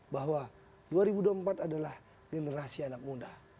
bahwa dua ribu dua puluh empat adalah generasi anak muda